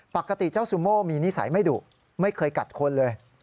ปกติเจ้าซูโม่มีนิสัยไม่ดุไม่เคยกัดคนเลย